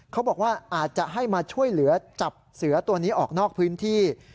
เขาบอกว่าอาจจะให้มาช่วยเหลือจับเสือตัวนี้ออกนอกพื้นที่